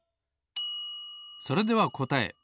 それではこたえ。